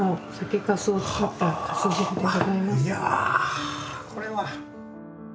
いやこれは。